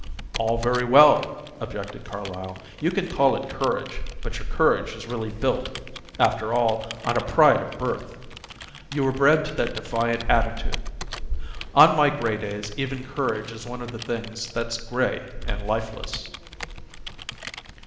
"All very well," objected Carlyle. "You can call it courage, but your courage is really built, after all, on a pride of birth. You were bred to that defiant attitude. On my gray days even courage is one of the things that's gray and lifeless."